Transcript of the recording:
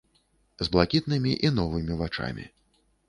З блакітнымі і новымі вачамі.